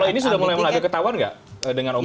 kalau ini sudah mulai mulai ketahuan nggak dengan umrah ini